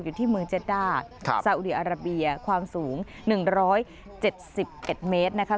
อยู่ที่เมืองเจ็ดด้าซาอุดีอาราเบียความสูง๑๗๑เมตรนะคะ